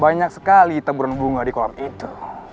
banyak sekali taburan bunga di kolam itu